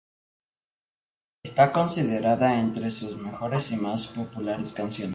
Está considerada entre sus mejores y más populares canciones.